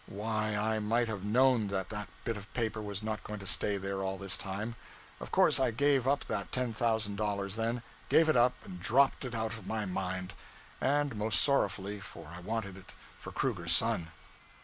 Why, I might have known that that bit of paper was not going to stay there all this time. Of course I gave up that ten thousand dollars then; gave it up, and dropped it out of my mind: and most sorrowfully, for I had wanted it for Kruger's son.